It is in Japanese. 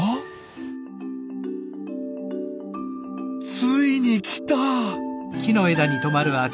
ついに来た！